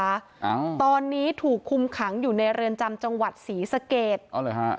อ้าวตอนนี้ถูกคุมขังอยู่ในเรือนจำจังหวัดศรีสะเกดอ๋อเหรอฮะ